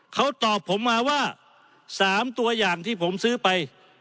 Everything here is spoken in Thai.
เขาตอบผมมาว่า๓ตัวอย่างที่ผมซื้อไป